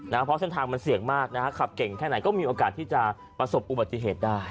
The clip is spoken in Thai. เพราะเส้นทางมันเสี่ยงมากนะฮะขับเก่งแค่ไหนก็มีโอกาสที่จะประสบอุบัติเหตุได้